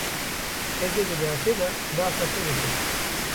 Ez ê di dersê de behsa te bikim.